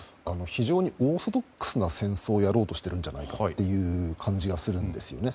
非常にオーソドックスな戦争をやろうとしている感じがするんですね。